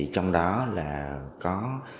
trong đó là có